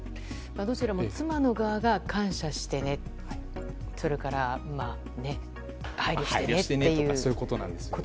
どちらも妻の側が感謝してねそれから配慮してねっていうことなんですね。